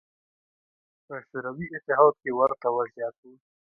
په شوروي اتحاد کې ورته وضعیت و